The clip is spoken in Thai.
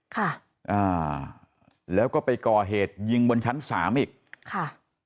ค่ะอ่าแล้วก็ไปก่อเหตุยิงบนชั้นสามอีกค่ะ